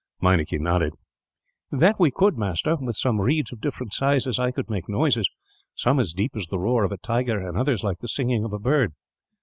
Meinik nodded. "That we could, master. With some reeds of different sizes I could make noises, some as deep as the roar of a tiger, and others like the singing of a bird."